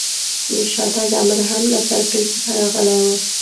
د شاتګ امر هم له فرقې څخه راغلی و.